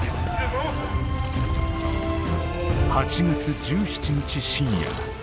８月１７日深夜。